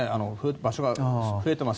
場所が増えています。